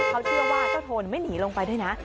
เขาเชื่อว่าเจ้าโทนไม่หนีลงไปด้วยนะ